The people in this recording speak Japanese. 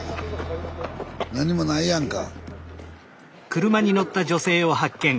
何もないやんか。